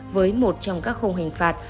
với một trong các khung hình phạt